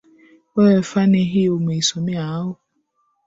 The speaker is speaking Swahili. wewe fani hii umeisomea au